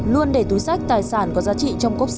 luôn để túi sách tài sản có giá trị trong cốp xe